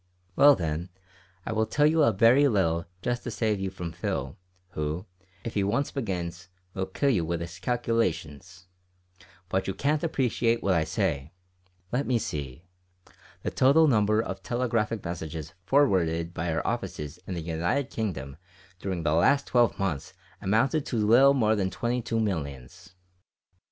"Well then, I will tell you a very little just to save you from Phil, who, if he once begins, will kill you with his calculations. But you can't appreciate what I say. Let me see. The total number of telegraphic messages forwarded by our offices in the United Kingdom during the last twelve months amounted to a little more than twenty two millions."